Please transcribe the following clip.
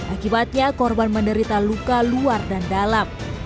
akibatnya korban menderita luka luar dan dalam